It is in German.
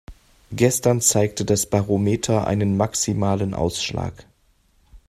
Gestern zeigte das Barometer einen maximalen Ausschlag.